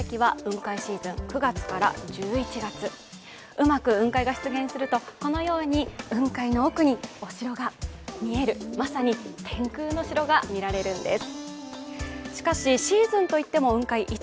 うまく雲海が出現すると、このように雲海の奥にお城が見える、まさに天空の城が見られるんです。